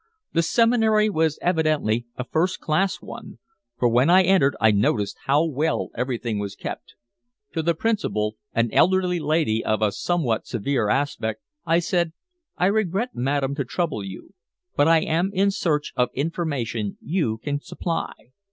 The seminary was evidently a first class one, for when I entered I noticed how well everything was kept. To the principal, an elderly lady of a somewhat severe aspect, I said: "I regret, madam, to trouble you, but I am in search of information you can supply.